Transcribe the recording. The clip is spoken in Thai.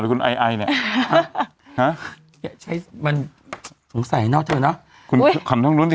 คุณไอไอเนี่ยฮะใช้มันสงสัยเนอะเธอเนอะคุณขำทางนู้นสิ